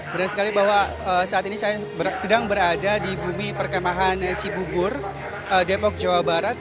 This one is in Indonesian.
benar sekali bahwa saat ini saya sedang berada di bumi perkemahan cibubur depok jawa barat